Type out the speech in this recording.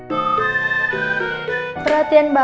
jangan merepotkan dosen kalian paham